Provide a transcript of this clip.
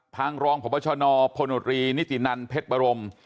ทางรองผปชนพนรนิตินันเพชรบรม